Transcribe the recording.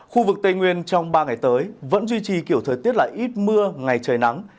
khu vực tây nguyên trong ba ngày tới vẫn duy trì kiểu thời tiết là ít mưa ngày trời nắng